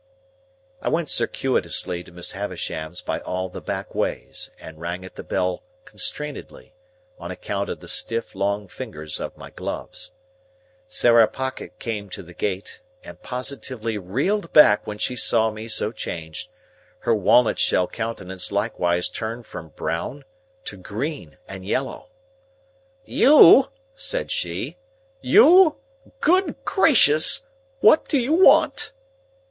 I went circuitously to Miss Havisham's by all the back ways, and rang at the bell constrainedly, on account of the stiff long fingers of my gloves. Sarah Pocket came to the gate, and positively reeled back when she saw me so changed; her walnut shell countenance likewise turned from brown to green and yellow. "You?" said she. "You? Good gracious! What do you want?"